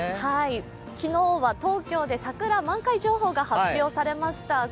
昨日は、東京で桜満開情報が発表されました。